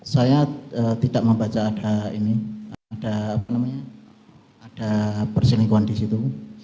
saya tidak membaca ada perselingkuhan di situ